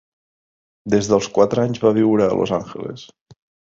Des dels quatre anys va viure a Los Angeles.